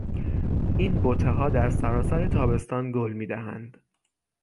این بتهها در سرتاسر تابستان گل میدهند.